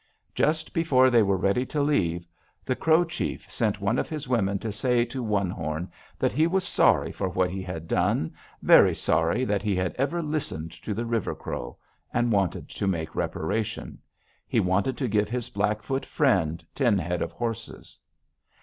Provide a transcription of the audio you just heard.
"Just before they were ready to leave, the Crow chief sent one of his women to say to One Horn that he was sorry for what he had done, very sorry that he had ever listened to the River Crow, and wanted to make reparation. He wanted to give his Blackfoot friend ten head of horses.